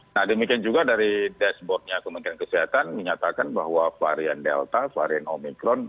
nah demikian juga dari dashboardnya kementerian kesehatan menyatakan bahwa varian delta varian omikron